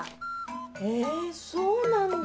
えそうなんだ。